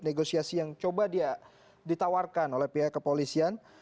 negosiasi yang coba dia ditampilkan